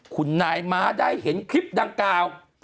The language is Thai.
คุณนายม้าได้เห็นคลิปดังกล่าว